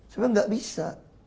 sebenernya gak bisa